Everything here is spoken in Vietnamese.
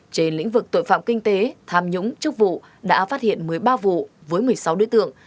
trên lĩnh vực tội phạm kinh tế tham nhũng chức vụ đã phát hiện một mươi ba vụ với một mươi sáu đối tượng